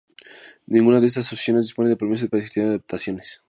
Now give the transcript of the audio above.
Ninguna de estas asociaciones dispone de permiso para gestionar adopciones.